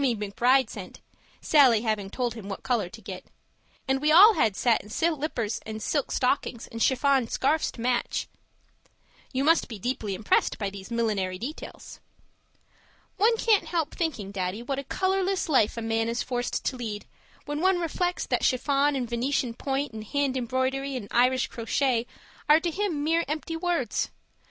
McB. sent (Sallie having told him what colour to get). And we all had satin slippers and silk stockings and chiffon scarfs to match. You must be deeply impressed by these millinery details. One can't help thinking, Daddy, what a colourless life a man is forced to lead, when one reflects that chiffon and Venetian point and hand embroidery and Irish crochet are to him mere empty words.